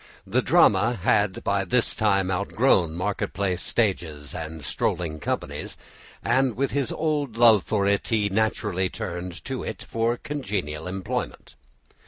The drama had by this time outgrown market place stages and strolling companies, and with his old love for it he naturally turned to it for a congenial employment.